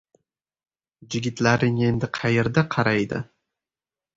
— Jigitlaring endi qayerda qaraydi?